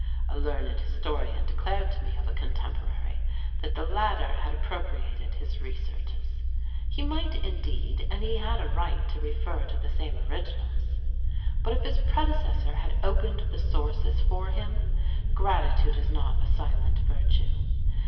A learned historian declared to me of a contemporary, that the latter had appropriated his researches; he might, indeed, and he had a right to refer to the same originals; but if his predecessor had opened the sources for him, gratitude is not a silent virtue.